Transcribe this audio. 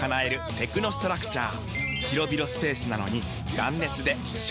テクノストラクチャー！